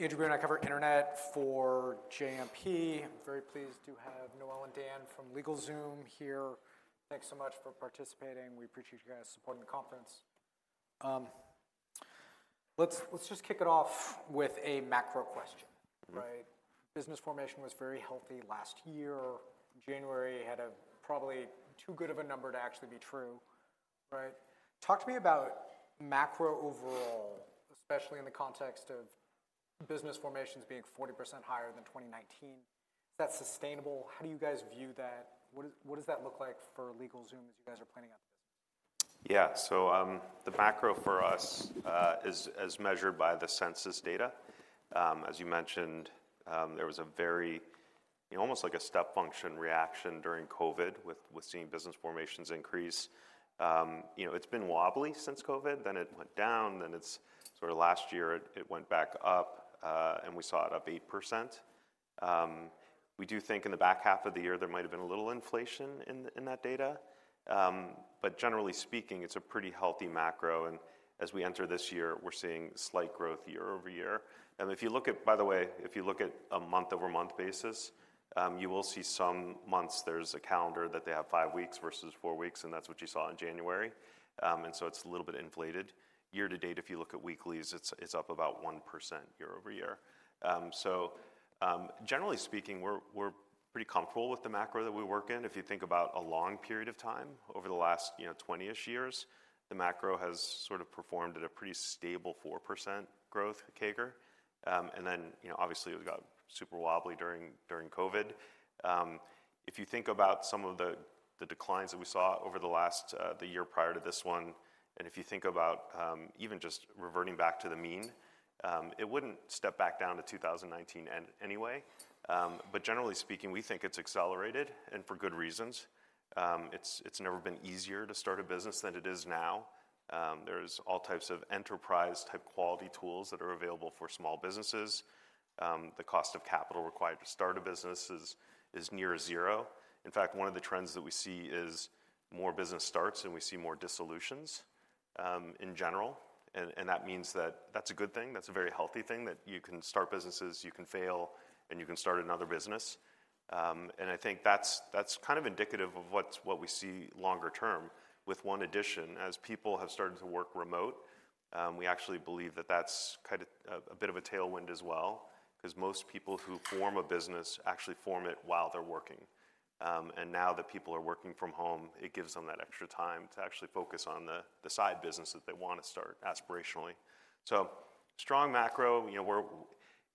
Andrew Boone, I cover internet for Citizens JMP. I'm very pleased to have Noel and Dan from LegalZoom here. Thanks so much for participating. We appreciate you guys' support in the conference. Let's just kick it off with a macro question. Mm-hmm. Right? Business formation was very healthy last year. January had a probably too good of a number to actually be true, right? Talk to me about macro overall, especially in the context of business formations being 40% higher than 2019. Is that sustainable? How do you guys view that? What does, what does that look like for LegalZoom as you guys are planning out? Yeah. So, the macro for us is, as measured by the census data, as you mentioned, there was a very, almost like a step function reaction during COVID with seeing business formations increase. You know, it's been wobbly since COVID, then it went down, then it's—sort of last year it went back up, and we saw it up 8%. We do think in the back half of the year, there might have been a little inflation in that data. But generally speaking, it's a pretty healthy macro, and as we enter this year, we're seeing slight growth year-over-year. If you look at—by the way, if you look at a month-over-month basis, you will see some months there's a calendar that they have five weeks versus four weeks, and that's what you saw in January. And so it's a little bit inflated. Year to date, if you look at weeklies, it's up about 1% year-over-year. So, generally speaking, we're pretty comfortable with the macro that we work in. If you think about a long period of time over the last, you know, 20-ish years, the macro has sort of performed at a pretty stable 4% growth CAGR. And then, you know, obviously it got super wobbly during COVID. If you think about some of the, the declines that we saw over the last, the year prior to this one, and if you think about, even just reverting back to the mean, it wouldn't step back down to 2019 anyway. But generally speaking, we think it's accelerated, and for good reasons. It's, it's never been easier to start a business than it is now. There's all types of enterprise-type quality tools that are available for small businesses. The cost of capital required to start a business is, is near zero. In fact, one of the trends that we see is more business starts, and we see more dissolutions, in general. And that means that that's a good thing, that's a very healthy thing, that you can start businesses, you can fail, and you can start another business. And I think that's kind of indicative of what we see longer term, with one addition. As people have started to work remote, we actually believe that that's kind of a bit of a tailwind as well, 'cause most people who form a business actually form it while they're working. And now that people are working from home, it gives them that extra time to actually focus on the side business that they want to start aspirationally. So, strong macro, you know, we're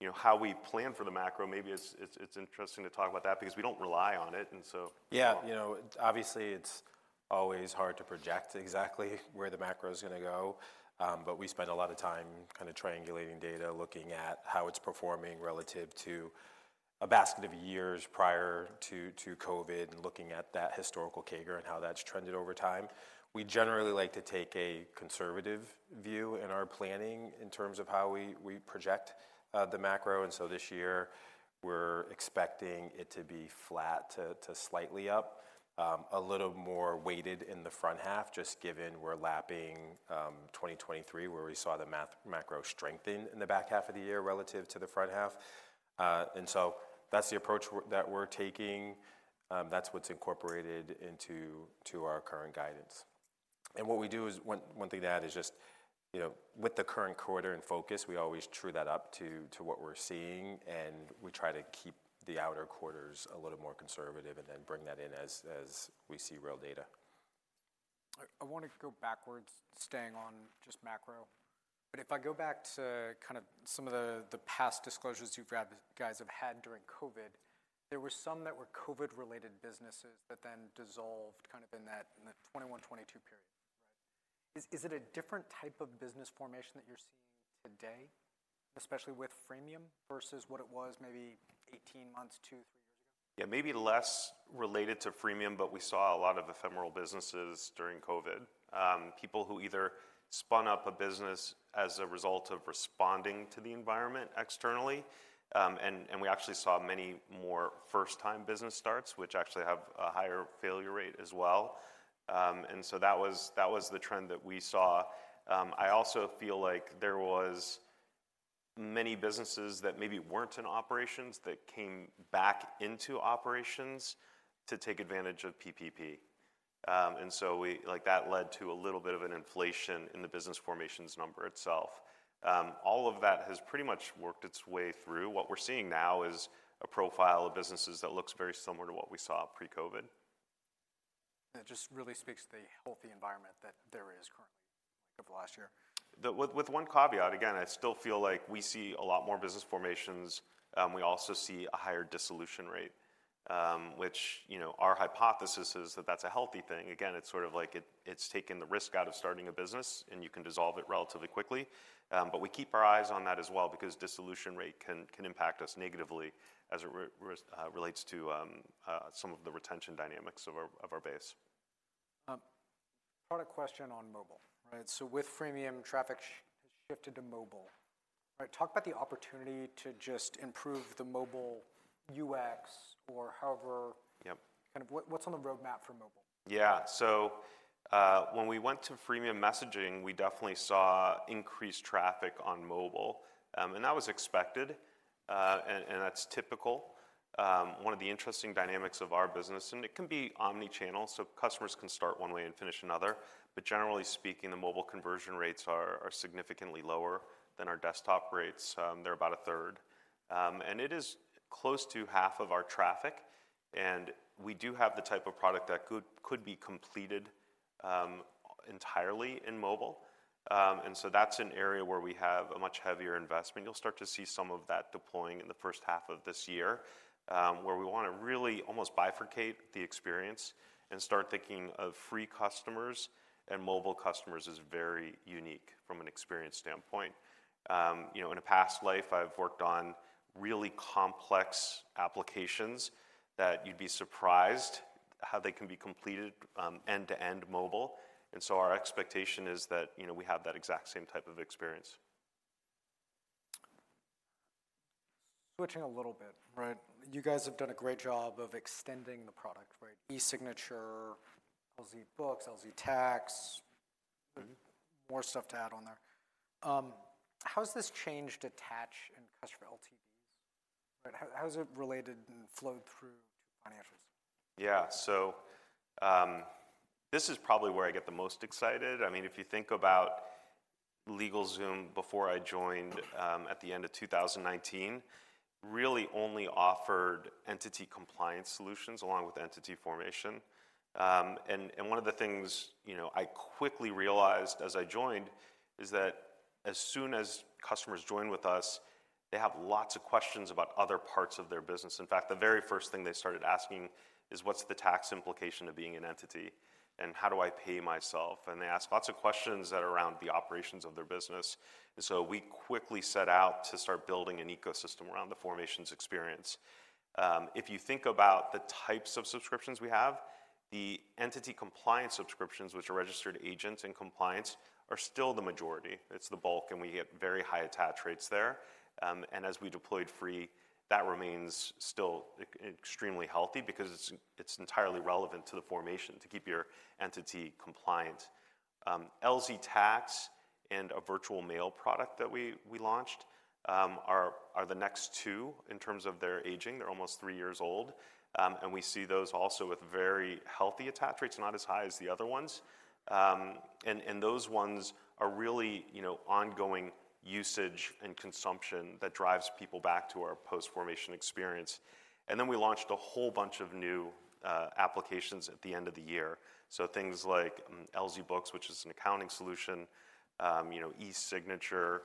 you know, how we plan for the macro maybe is, it's interesting to talk about that because we don't rely on it, and so- Yeah, you know, obviously, it's always hard to project exactly where the macro is gonna go, but we spend a lot of time kind of triangulating data, looking at how it's performing relative to a basket of years prior to COVID, and looking at that historical CAGR and how that's trended over time. We generally like to take a conservative view in our planning in terms of how we project the macro, and so this year, we're expecting it to be flat to slightly up. A little more weighted in the front half, just given we're lapping 2023, where we saw the macro strengthen in the back half of the year relative to the front half. And so that's the approach that we're taking. That's what's incorporated into our current guidance. What we do is, one thing to add is just, you know, with the current quarter in focus, we always true that up to what we're seeing, and we try to keep the outer quarters a little more conservative and then bring that in as we see real data. I want to go backwards, staying on just macro. But if I go back to kind of some of the, the past disclosures you guys have had during COVID, there were some that were COVID-related businesses that then dissolved kind of in that, in the 2021, 2022 period. Right? Is it a different type of business formation that you're seeing today, especially with freemium, versus what it was maybe 18 months to three years ago? Yeah, maybe less related to freemium, but we saw a lot of ephemeral businesses during COVID. People who either spun up a business as a result of responding to the environment externally, and we actually saw many more first-time business starts, which actually have a higher failure rate as well. And so that was the trend that we saw. I also feel like there was many businesses that maybe weren't in operations that came back into operations to take advantage of PPP. And so we, like, that led to a little bit of an inflation in the business formations number itself. All of that has pretty much worked its way through. What we're seeing now is a profile of businesses that looks very similar to what we saw pre-COVID. It just really speaks to the healthy environment that there is currently of last year. With one caveat, again, I still feel like we see a lot more business formations. We also see a higher dissolution rate, which, you know, our hypothesis is that that's a healthy thing. Again, it's sort of like it's taken the risk out of starting a business, and you can dissolve it relatively quickly. But we keep our eyes on that as well because dissolution rate can impact us negatively as it relates to some of the retention dynamics of our base. Product question on mobile, right? So with freemium, traffic shifted to mobile. Right, talk about the opportunity to just improve the mobile UX or however- Yep. Kind of what, what's on the roadmap for mobile? Yeah. So, when we went to freemium messaging, we definitely saw increased traffic on mobile, and that was expected. And that's typical. One of the interesting dynamics of our business, and it can be omni-channel, so customers can start one way and finish another. But generally speaking, the mobile conversion rates are significantly lower than our desktop rates. They're about a third. And it is close to half of our traffic, and we do have the type of product that could be completed entirely in mobile. And so that's an area where we have a much heavier investment. You'll start to see some of that deploying in the first half of this year, where we want to really almost bifurcate the experience and start thinking of free customers and mobile customers is very unique from an experience standpoint. You know, in a past life, I've worked on really complex applications that you'd be surprised how they can be completed, end-to-end mobile. And so our expectation is that, you know, we have that exact same type of experience. Switching a little bit, right? You guys have done a great job of extending the product, right? eSignature, LZ Books, LZ Tax- Mm-hmm. More stuff to add on there. How has this changed attach and customer LTVs? How, how has it related and flowed through to financials? Yeah, so, this is probably where I get the most excited. I mean, if you think about LegalZoom before I joined, at the end of 2019, really only offered entity compliance solutions along with entity formation. And one of the things, you know, I quickly realized as I joined is that as soon as customers join with us, they have lots of questions about other parts of their business. In fact, the very first thing they started asking is: "What's the tax implication of being an entity, and how do I pay myself?" And they ask lots of questions that are around the operations of their business. And so we quickly set out to start building an ecosystem around the formations experience. If you think about the types of subscriptions we have, the entity compliance subscriptions, which are registered agents and compliance, are still the majority. It's the bulk, and we get very high attach rates there. And as we deployed free, that remains still extremely healthy because it's entirely relevant to the formation to keep your entity compliant. LZ Tax and a virtual mail product that we launched are the next two in terms of their aging. They're almost three years old. And we see those also with very healthy attach rates, not as high as the other ones. And those ones are really, you know, ongoing usage and consumption that drives people back to our post-formation experience. And then we launched a whole bunch of new applications at the end of the year. So things like, LZ Books, which is an accounting solution, you know, eSignature,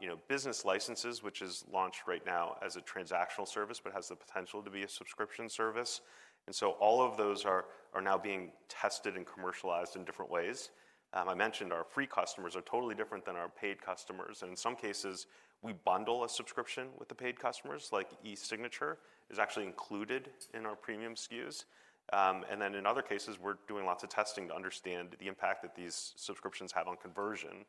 you know, business licenses, which is launched right now as a transactional service, but has the potential to be a subscription service. And so all of those are now being tested and commercialized in different ways. I mentioned our free customers are totally different than our paid customers. And in some cases, we bundle a subscription with the paid customers, like eSignature is actually included in our premium SKUs. And then in other cases, we're doing lots of testing to understand the impact that these subscriptions have on conversion.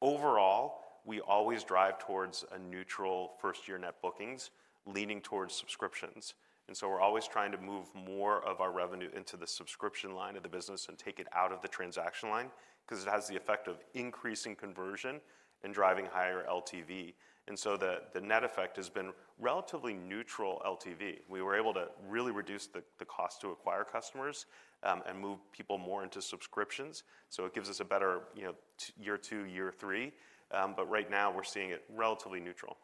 Overall, we always drive towards a neutral first-year net bookings, leaning towards subscriptions. And so we're always trying to move more of our revenue into the subscription line of the business and take it out of the transaction line, 'cause it has the effect of increasing conversion and driving higher LTV. And so the net effect has been relatively neutral LTV. We were able to really reduce the cost to acquire customers, and move people more into subscriptions. So it gives us a better, you know, year two, year three, but right now we're seeing it relatively neutral.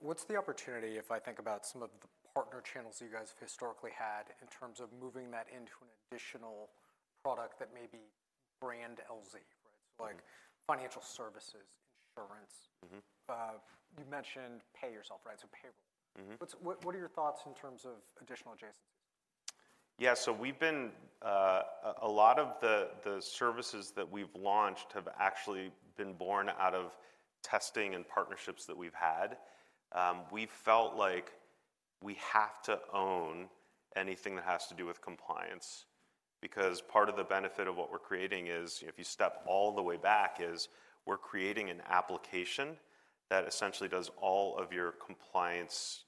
What's the opportunity if I think about some of the partner channels that you guys have historically had, in terms of moving that into an additional product that may be brand LZ, right? Mm-hmm. Like financial services, insurance- Mm-hmm. You mentioned pay yourself, right, so payroll. Mm-hmm. What are your thoughts in terms of additional adjacencies? Yeah, so we've been a lot of the services that we've launched have actually been born out of testing and partnerships that we've had. We felt like we have to own anything that has to do with compliance, because part of the benefit of what we're creating is, if you step all the way back, is we're creating an application that essentially does all of your compliance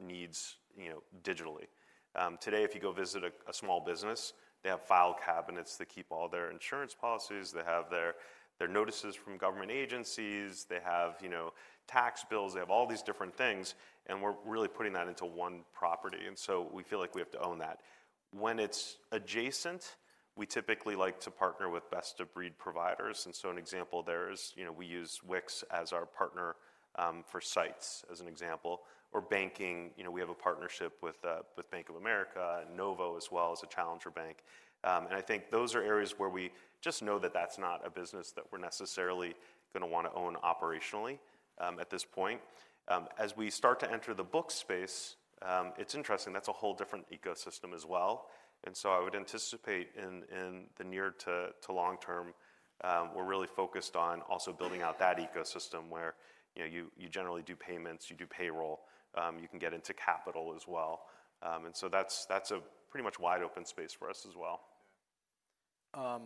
needs, you know, digitally. Today, if you go visit a small business, they have file cabinets that keep all their insurance policies, they have their notices from government agencies, they have, you know, tax bills. They have all these different things, and we're really putting that into one property, and so we feel like we have to own that. When it's adjacent, we typically like to partner with best-of-breed providers, and so an example there is, you know, we use Wix as our partner for sites, as an example, or banking, you know, we have a partnership with Bank of America and Novo as well, as a challenger bank. And I think those are areas where we just know that that's not a business that we're necessarily going to want to own operationally at this point. As we start to enter the books space, it's interesting, that's a whole different ecosystem as well. And so I would anticipate in the near to long term, we're really focused on also building out that ecosystem where, you know, you generally do payments, you do payroll, you can get into capital as well. That's a pretty much wide-open space for us as well. Yeah.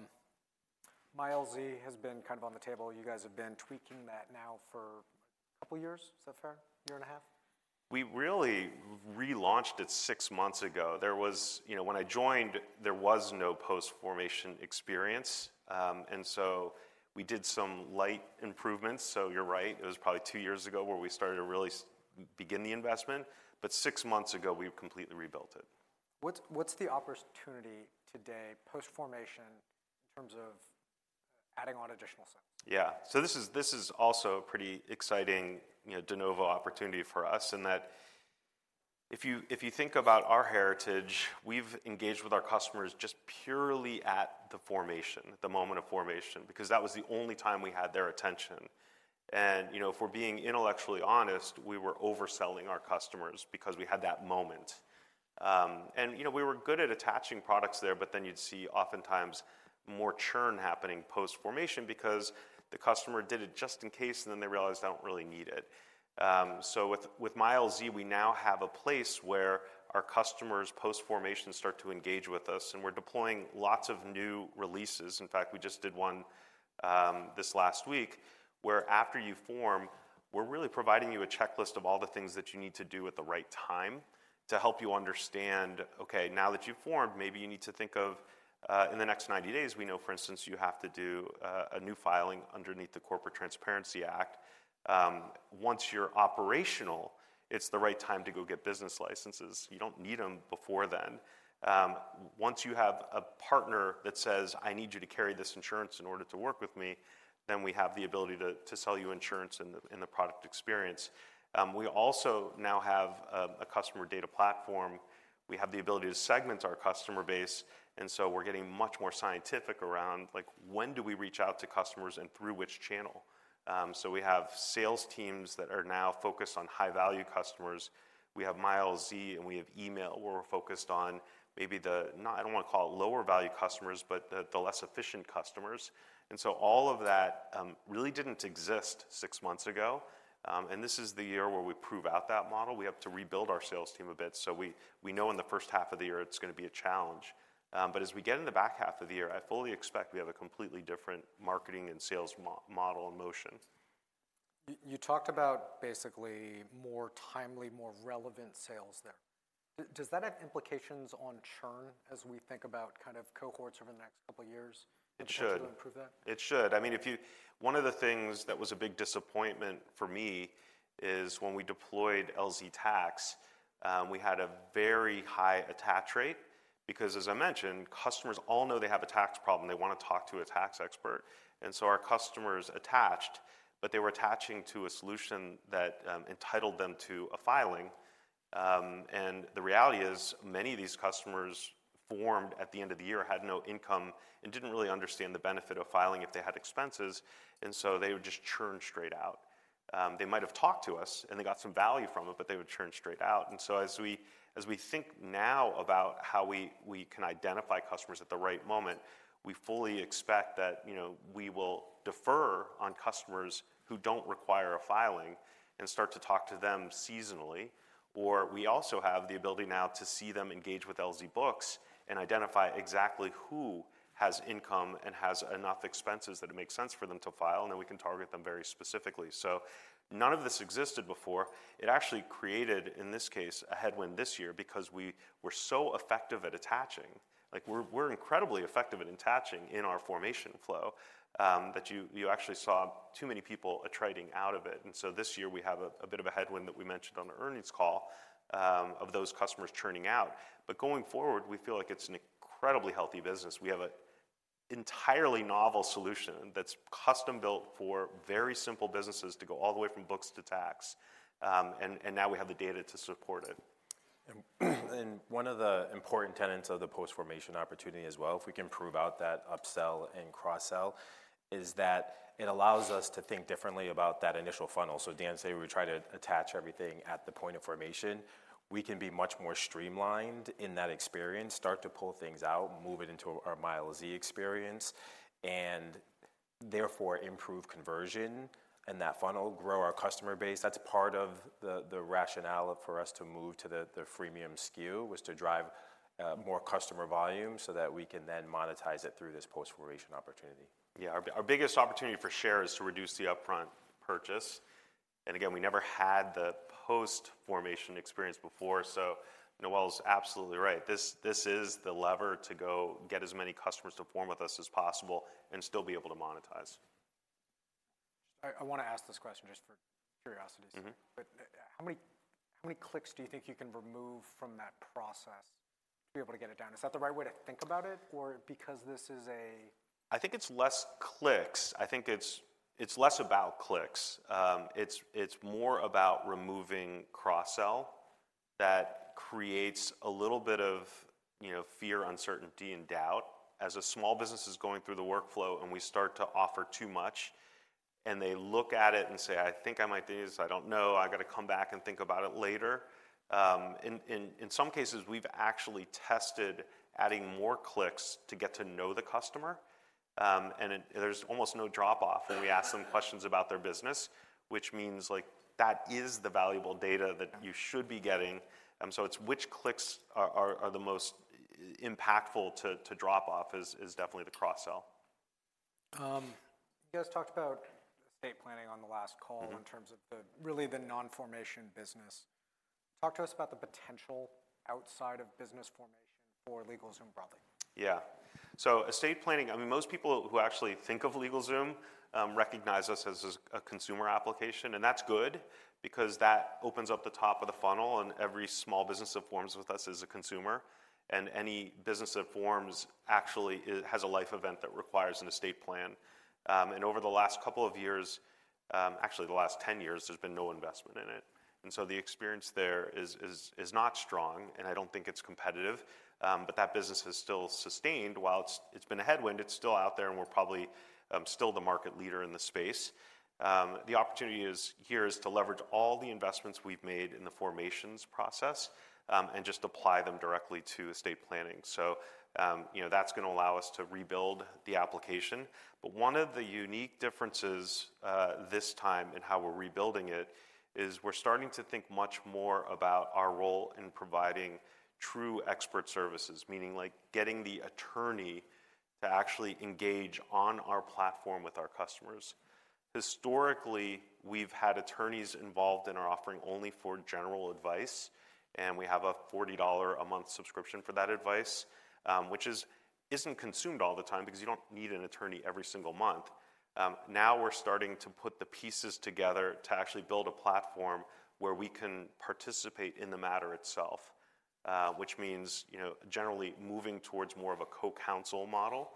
MyLZ has been kind of on the table. You guys have been tweaking that now for a couple years. Is that fair? A year and a half?... we really relaunched it six months ago. There was, you know, when I joined, there was no post-formation experience. And so we did some light improvements. So you're right, it was probably two years ago where we started to really begin the investment, but six months ago, we've completely rebuilt it. What's the opportunity today, post-formation, in terms of adding on additional stuff? Yeah. So this is, this is also a pretty exciting, you know, de novo opportunity for us in that if you, if you think about our heritage, we've engaged with our customers just purely at the formation, the moment of formation, because that was the only time we had their attention. And, you know, if we're being intellectually honest, we were overselling our customers because we had that moment. And, you know, we were good at attaching products there, but then you'd see oftentimes more churn happening post-formation because the customer did it just in case, and then they realized, "I don't really need it." So with, with MyLZ, we now have a place where our customers, post-formation, start to engage with us, and we're deploying lots of new releases. In fact, we just did one this last week, where after you form, we're really providing you a checklist of all the things that you need to do at the right time to help you understand, okay, now that you've formed, maybe you need to think of in the next 90 days, we know, for instance, you have to do a new filing underneath the Corporate Transparency Act. Once you're operational, it's the right time to go get business licenses. You don't need them before then. Once you have a partner that says, "I need you to carry this insurance in order to work with me," then we have the ability to sell you insurance in the product experience. We also now have a customer data platform. We have the ability to segment our customer base, and so we're getting much more scientific around, like, when do we reach out to customers, and through which channel? So we have sales teams that are now focused on high-value customers. We have MyLZ, and we have email, where we're focused on maybe the—not, I don't want to call it lower-value customers, but the, the less efficient customers. And so all of that really didn't exist six months ago, and this is the year where we prove out that model. We have to rebuild our sales team a bit, so we, we know in the first half of the year it's gonna be a challenge. But as we get in the back half of the year, I fully expect we have a completely different marketing and sales model in motion. You talked about basically more timely, more relevant sales there. Does that have implications on churn as we think about kind of cohorts over the next couple of years? It should. To improve that? It should. I mean, One of the things that was a big disappointment for me is when we deployed LZ Tax, we had a very high attach rate, because, as I mentioned, customers all know they have a tax problem, and they want to talk to a tax expert. And so our customers attached, but they were attaching to a solution that entitled them to a filing, and the reality is, many of these customers formed at the end of the year, had no income, and didn't really understand the benefit of filing if they had expenses, and so they would just churn straight out. They might have talked to us, and they got some value from it, but they would churn straight out. As we think now about how we can identify customers at the right moment, we fully expect that, you know, we will defer on customers who don't require a filing and start to talk to them seasonally. Or we also have the ability now to see them engage with LZ Books and identify exactly who has income and has enough expenses that it makes sense for them to file, and then we can target them very specifically. So none of this existed before. It actually created, in this case, a headwind this year because we were so effective at attaching. Like, we're incredibly effective at attaching in our formation flow, that you actually saw too many people attriting out of it. This year, we have a bit of a headwind that we mentioned on the earnings call of those customers churning out. Going forward, we feel like it's an incredibly healthy business. We have an entirely novel solution that's custom-built for very simple businesses to go all the way from books to tax, and now we have the data to support it. One of the important tenets of the post-formation opportunity as well, if we can prove out that upsell and cross-sell, is that it allows us to think differently about that initial funnel. Dan, say we try to attach everything at the point of formation. We can be much more streamlined in that experience, start to pull things out, move it into our MyLZ experience, and therefore improve conversion in that funnel, grow our customer base. That's part of the rationale for us to move to the freemium SKU, was to drive more customer volume so that we can then monetize it through this post-formation opportunity. Yeah. Our biggest opportunity for share is to reduce the upfront purchase, and again, we never had the post-formation experience before, so Noel is absolutely right. This is the lever to go get as many customers to form with us as possible and still be able to monetize. I wanna ask this question just for curiosity's sake. Mm-hmm. But, how many, how many clicks do you think you can remove from that process to be able to get it done? Is that the right way to think about it, or because this is a- I think it's less clicks. I think it's less about clicks. It's more about removing cross-sell that creates a little bit of, you know, fear, uncertainty, and doubt. As a small business is going through the workflow, and we start to offer too much, and they look at it and say, "I think I might do this. I don't know. I've got to come back and think about it later." In some cases, we've actually tested adding more clicks to get to know the customer, and there's almost no drop off when we ask them questions about their business, which means, like, that is the valuable data that- Yeah... you should be getting. So it's which clicks are the most impactful to drop off is definitely the cross-sell.... you guys talked about estate planning on the last call- Mm-hmm. In terms of really the non-formation business. Talk to us about the potential outside of business formation for LegalZoom broadly. Yeah. So estate planning, I mean, most people who actually think of LegalZoom recognize us as a consumer application, and that's good because that opens up the top of the funnel, and every small business that forms with us is a consumer. And any business that forms actually has a life event that requires an estate plan. And over the last couple of years, actually the last 10 years, there's been no investment in it, and so the experience there is not strong, and I don't think it's competitive. But that business has still sustained. While it's been a headwind, it's still out there, and we're probably still the market leader in the space. The opportunity is here to leverage all the investments we've made in the formations process and just apply them directly to estate planning. So, you know, that's gonna allow us to rebuild the application. But one of the unique differences this time in how we're rebuilding it is we're starting to think much more about our role in providing true expert services, meaning like getting the attorney to actually engage on our platform with our customers. Historically, we've had attorneys involved in our offering only for general advice, and we have a $40 a month subscription for that advice, which isn't consumed all the time because you don't need an attorney every single month. Now we're starting to put the pieces together to actually build a platform where we can participate in the matter itself, which means, you know, generally moving towards more of a co-counsel model,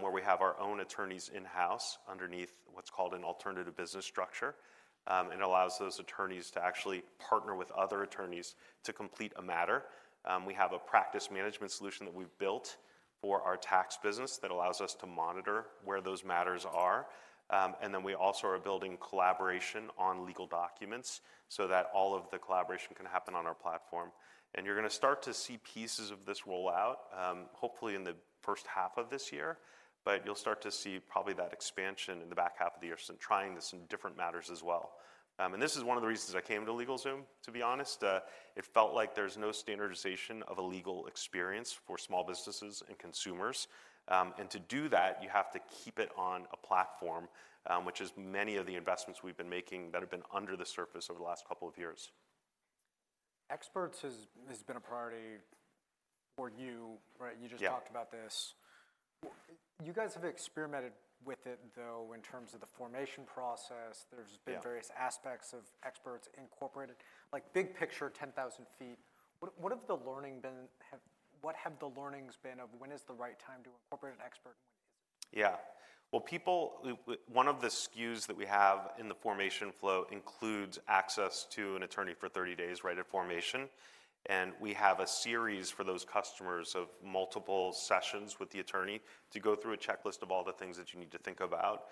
where we have our own attorneys in-house underneath what's called an Alternative Business Structure. It allows those attorneys to actually partner with other attorneys to complete a matter. We have a practice management solution that we've built for our tax business that allows us to monitor where those matters are. And then we also are building collaboration on legal documents so that all of the collaboration can happen on our platform. And you're gonna start to see pieces of this roll out, hopefully in the first half of this year, but you'll start to see probably that expansion in the back half of the year, so trying this in different matters as well. And this is one of the reasons I came to LegalZoom, to be honest. It felt like there's no standardization of a legal experience for small businesses and consumers. And to do that, you have to keep it on a platform, which is many of the investments we've been making that have been under the surface over the last couple of years. Expertise has been a priority for you, right? Yeah. You just talked about this. You guys have experimented with it, though, in terms of the formation process. Yeah. There's been various aspects of experts incorporated. Like, big picture, 10,000 ft, what have the learnings been of when is the right time to incorporate an expert and when it isn't? Yeah. Well, people, one of the SKUs that we have in the formation flow includes access to an attorney for 30 days, right at formation, and we have a series for those customers of multiple sessions with the attorney to go through a checklist of all the things that you need to think about.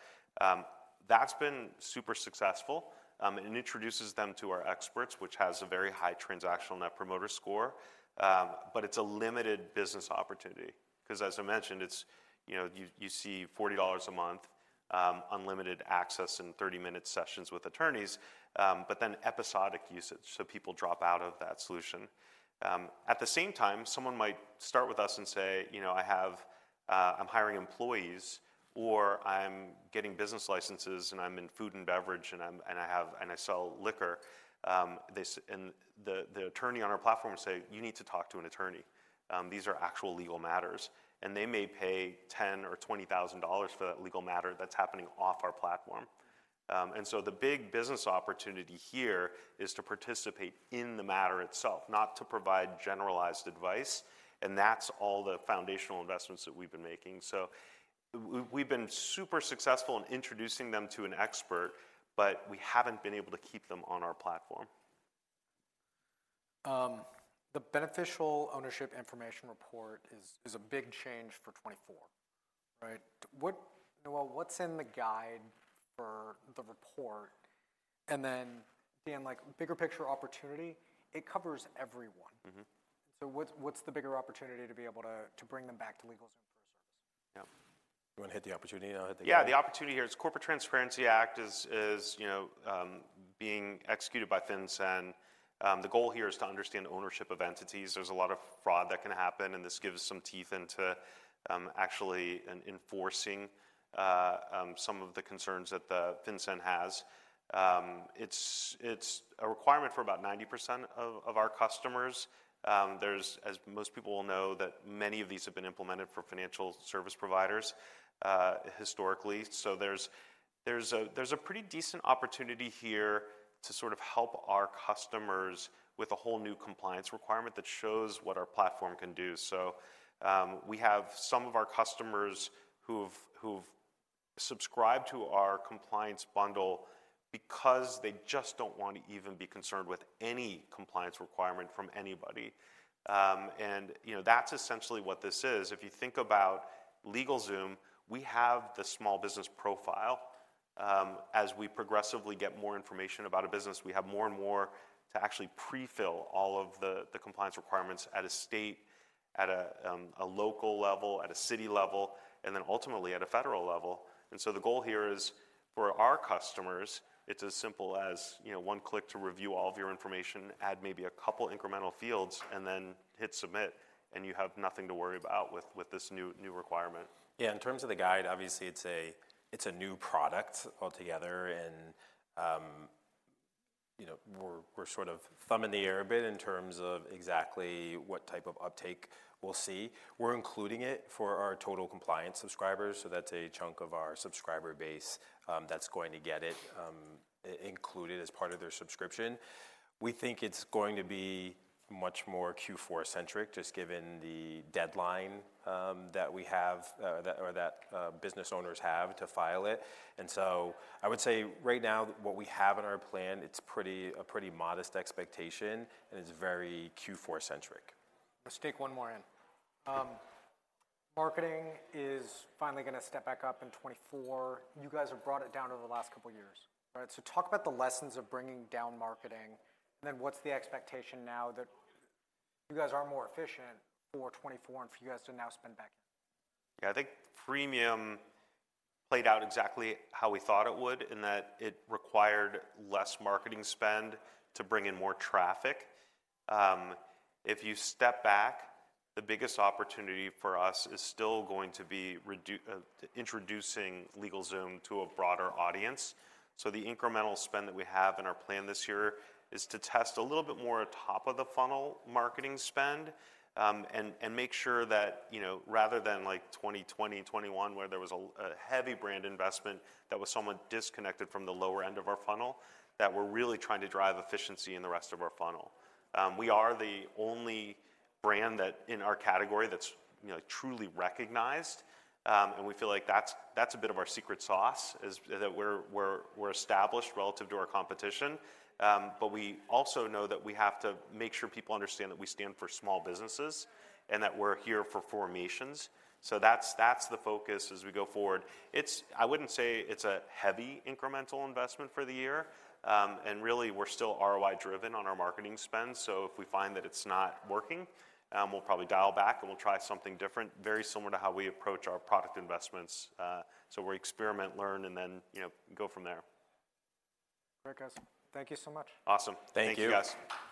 That's been super successful, and introduces them to our experts, which has a very high transactional net promoter score. But it's a limited business opportunity because, as I mentioned, it's, you know, you, you see $40 a month, unlimited access and 30-minute sessions with attorneys, but then episodic usage, so people drop out of that solution. At the same time, someone might start with us and say: "You know, I have—I'm hiring employees," or, "I'm getting business licenses, and I'm in food and beverage, and I have—and I sell liquor." They—and the attorney on our platform will say: "You need to talk to an attorney. These are actual legal matters." And they may pay $10,000-$20,000 for that legal matter that's happening off our platform. And so the big business opportunity here is to participate in the matter itself, not to provide generalized advice, and that's all the foundational investments that we've been making. So we've been super successful in introducing them to an expert, but we haven't been able to keep them on our platform. The Beneficial Ownership Information report is a big change for 2024, right? What... Noel, what's in the guide for the report? And then, Dan, like, bigger picture opportunity, it covers everyone. Mm-hmm. What's the bigger opportunity to bring them back to LegalZoom for a service? Yeah. You want to hit the opportunity, and I'll hit the- Yeah, the opportunity here is Corporate Transparency Act you know, being executed by FinCEN. The goal here is to understand ownership of entities. There's a lot of fraud that can happen, and this gives some teeth into, actually, enforcing, some of the concerns that the FinCEN has. It's a requirement for about 90% of our customers. There's, as most people will know, that many of these have been implemented for financial service providers, historically. So there's a pretty decent opportunity here to sort of help our customers with a whole new compliance requirement that shows what our platform can do. So, we have some of our customers who've subscribed to our compliance bundle because they just don't want to even be concerned with any compliance requirement from anybody. You know, that's essentially what this is. If you think about LegalZoom, we have the small business profile. As we progressively get more information about a business, we have more and more to actually pre-fill all of the compliance requirements at a state, at a local level, at a city level, and then ultimately, at a federal level. And so the goal here is, for our customers, it's as simple as, you know, one click to review all of your information, add maybe a couple incremental fields, and then hit Submit, and you have nothing to worry about with this new requirement. Yeah, in terms of the guide, obviously, it's a new product altogether, and you know, we're sort of thumb in the air a bit in terms of exactly what type of uptake we'll see. We're including it for our Total Compliance subscribers, so that's a chunk of our subscriber base that's going to get it included as part of their subscription. We think it's going to be much more Q4-centric, just given the deadline that business owners have to file it. And so I would say right now what we have in our plan, it's pretty modest expectation, and it's very Q4-centric. Let's take one more in. Marketing is finally gonna step back up in 2024. You guys have brought it down over the last couple of years. All right, so talk about the lessons of bringing down marketing, and then what's the expectation now that you guys are more efficient for 2024 and for you guys to now spend back in? Yeah, I think premium played out exactly how we thought it would, in that it required less marketing spend to bring in more traffic. If you step back, the biggest opportunity for us is still going to be introducing LegalZoom to a broader audience. So the incremental spend that we have in our plan this year is to test a little bit more top of the funnel marketing spend, and make sure that, you know, rather than like 2020 and 2021, where there was a heavy brand investment that was somewhat disconnected from the lower end of our funnel, that we're really trying to drive efficiency in the rest of our funnel. We are the only brand that, in our category, that's, you know, truly recognized, and we feel like that's a bit of our secret sauce, is that we're established relative to our competition. But we also know that we have to make sure people understand that we stand for small businesses, and that we're here for formations. So that's the focus as we go forward. It's. I wouldn't say it's a heavy incremental investment for the year, and really, we're still ROI-driven on our marketing spend. So if we find that it's not working, we'll probably dial back, and we'll try something different, very similar to how we approach our product investments. So we experiment, learn, and then, you know, go from there. Great, guys. Thank you so much. Awesome. Thank you. Thank you, guys.